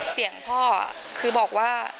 เสียงพ่อคือบอกว่า